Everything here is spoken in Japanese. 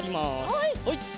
はい。